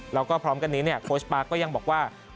แล้วก็พร้อมกันนี้โค้ชปาร์คก็ยังบอกว่า